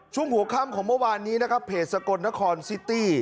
ช่วงหัวค่ำของเมื่อวานนี้นะครับเพจสกลนครซิตี้